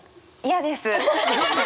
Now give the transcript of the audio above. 嫌です。